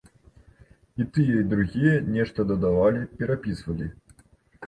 І тыя, і другія, нешта дадавалі, перапісвалі.